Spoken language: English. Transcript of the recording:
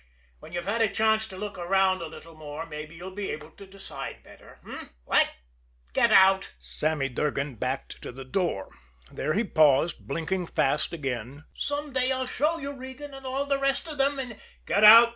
When you've had a chance to look around a little more, mabbe you'll be able to decide better what? Get out!" Sammy Durgan backed to the door. There he paused, blinking fast again: "Some day I'll show you, Regan, you and all the rest of 'em, and " "Get out!"